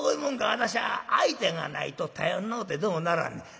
私は相手がないと頼りのうてどうもならんねん。